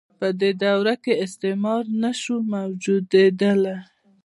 په دې دوره کې استثمار نشو موجودیدلای.